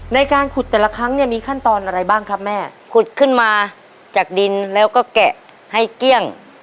ในการขุดแต่ละครั้งเนี่ยมีขั้นตอนอะไรบ้างครับแม่ขุดขึ้นมาจากดินแล้วก็แกะให้เกลี้ยง